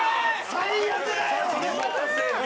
最悪だよ！